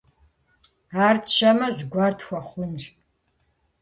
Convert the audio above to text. Ар тщэмэ, зыгуэр тхуэхъунщ.